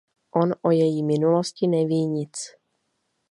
On o její minulosti neví nic.